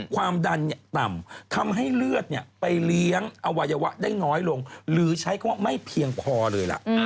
ความดันต่ำทำให้เลือดไปเลี้ยงอวัยวะได้น้อยลงหรือใช้คำว่าไม่เพียงพอเลยล่ะ